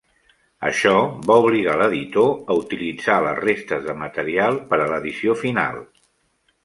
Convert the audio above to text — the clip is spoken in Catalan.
Això va obligar l'editor a utilitzar les restes de material per a l'edició final.